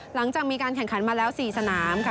หลังจากมีการแข่งขันมาแล้ว๔สนามค่ะ